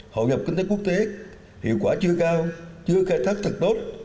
hội nhập kinh tế quốc tế hiệu quả chưa cao chưa khai thác thật tốt